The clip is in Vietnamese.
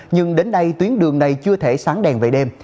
nhưng đến nay tuyến đường này chưa thể sáng đèn về đêm